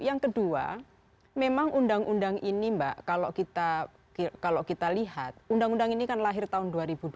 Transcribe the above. yang kedua memang undang undang ini mbak kalau kita lihat undang undang ini kan lahir tahun dua ribu dua